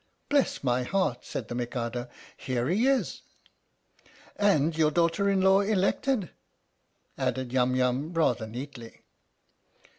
" Bless my heart," said the Mikado. "Here he is !"" And your daughter in law elected !" added Yum Yum rather neatly.